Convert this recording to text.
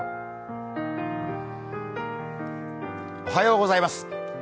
おはようございます。